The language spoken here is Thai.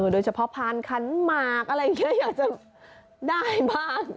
โดยเฉพาะพานคันมากอะไรอยากจะได้บ้าง